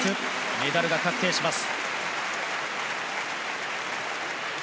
メダルが確定します。